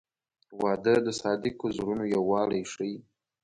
• واده د صادقو زړونو یووالی ښیي.